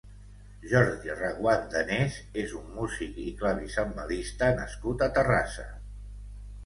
Jordi Reguant Danés és un músic i clavicembalista nascut a Terrassa.